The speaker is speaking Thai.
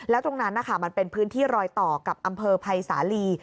แล้วตรงนั้นนะคะมันเป็นพื้นที่รอยต่อกับอำเภอภัยสาลี